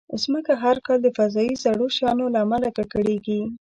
مځکه هر کال د فضایي زړو شیانو له امله ککړېږي.